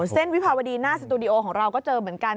วิภาวดีหน้าสตูดิโอของเราก็เจอเหมือนกัน